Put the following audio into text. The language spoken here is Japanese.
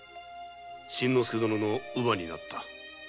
真之介殿の乳母になった。